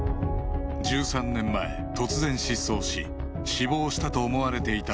１３年前突然失踪し死亡したと思われていた少女